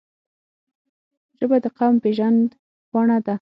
ژبه د قوم پېژند پاڼه ده